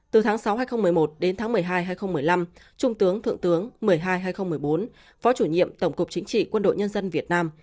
từ tháng sáu hai nghìn một mươi một đến tháng một mươi hai hai nghìn một mươi năm trung tướng thượng tướng một mươi hai hai nghìn một mươi bốn phó chủ nhiệm tổng cục chính trị quân đội nhân dân việt nam